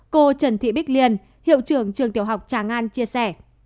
cô trần thị bích liên hiệu trưởng trường tiểu học tràng an chia sẻ